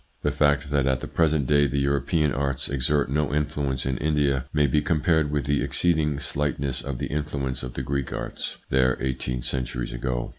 The fact that at the present day the European arts exert no influence in India may be compared with the exceeding slightness of the influence of the Greek arts there eighteen centuries ago.